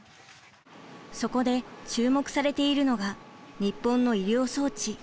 そこで注目されているのが日本の医療装置。